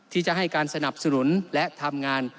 ที่จะให้การสนับสนุนและทำงาน